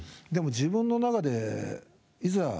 でも自分の中でいざ